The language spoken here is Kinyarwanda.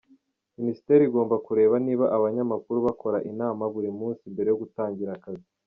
Minisiteri igomba kureba niba abanyamakuru bakora inama buri munsi mbere yo gutangira akazi .